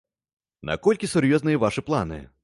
Наколькі сур'ёзныя вашы планы?